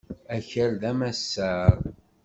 Akal d amassaṛ.